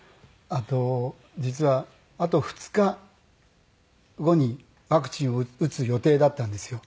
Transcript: あと実はあと２日後にワクチンを打つ予定だったんですよ